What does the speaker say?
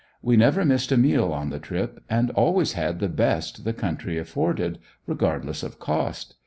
We never missed a meal on the trip, and always had the best the country afforded, regardless of cost.